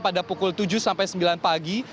pada pukul tujuh sampai sembilan pagi